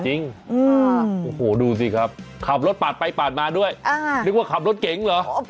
โอ้โหดูสิครับขับรถปาดไปปาดมาด้วยนึกว่าขับรถเก๋งเหรอ